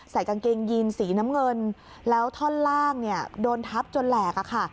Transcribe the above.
ใส่กางเกงยีนสีน้ำเงินแล้วท่อนล่างโดนทับจนแหลก